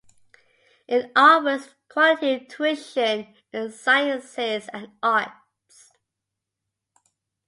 It offers quality tuition in sciences and arts.